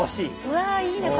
うわいいね。